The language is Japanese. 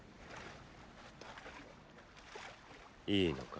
いいのか？